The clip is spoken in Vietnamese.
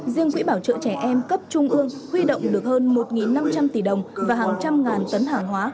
riêng quỹ bảo trợ trẻ em cấp trung ương huy động được hơn một năm trăm linh tỷ đồng và hàng trăm ngàn tấn hàng hóa